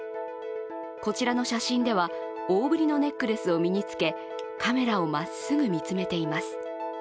こちらの写真では、大ぶりのネックレスを身につけカメラをまっすぐ見つめています。